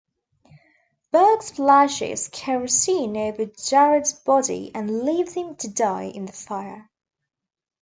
Burke splashes kerosene over Jarrod's body and leaves him to die in the fire.